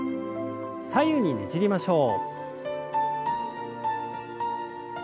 左右にねじりましょう。